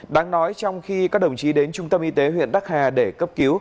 đáng nói trong khi các đồng chí đến trung tâm y tế huyện đắc hà để cấp cứu